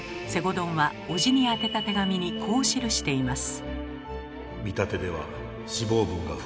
どんは叔父に宛てた手紙にこう記しています。